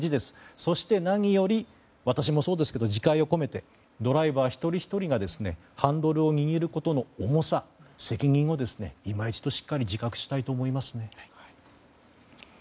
そして、何より私もそうですけど自戒を込めてドライバー、一人ひとりがハンドルを握ることの重さ責任を今一度しっかりと自覚したいと思いますね。